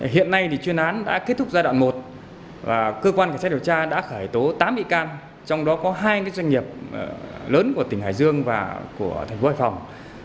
hiện nay thì chuyên án đã kết thúc giai đoạn một và cơ quan cảnh sát điều tra đã khởi tố tám bị can trong đó có hai doanh nghiệp lớn của tỉnh hải dương và của thành phố hải phòng